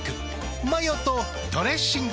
マヨとドレッシングで。